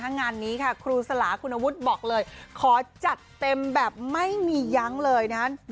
งานนี้ครูสลาคุณอาวุธบอกเลยขอจัดเต็มแบบไม่มียังเลยนะครับ